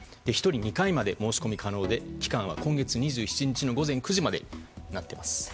１人２回まで申し込み可能で、期間は今月２７日の午前９時までになってます。